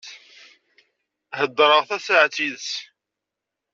Hedreɣ tasaεet yid-s.